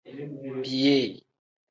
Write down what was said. Biyee.